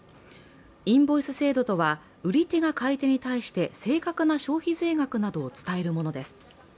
インボイス制度とは売り手が買い手に対して正確な消費税額などを伝えるものです。